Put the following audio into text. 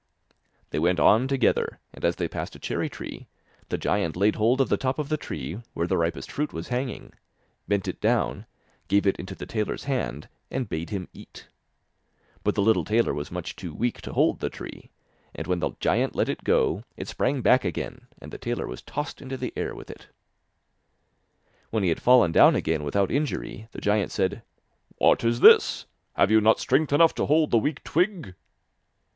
They went on together, and as they passed a cherry tree, the giant laid hold of the top of the tree where the ripest fruit was hanging, bent it down, gave it into the tailor's hand, and bade him eat. But the little tailor was much too weak to hold the tree, and when the giant let it go, it sprang back again, and the tailor was tossed into the air with it. When he had fallen down again without injury, the giant said: 'What is this? Have you not strength enough to hold the weak twig?